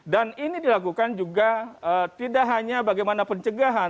dan ini dilakukan juga tidak hanya bagaimana pencegahan